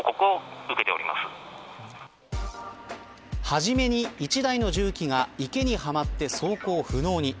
はじめに１台の重機が池にはまって走行不能に。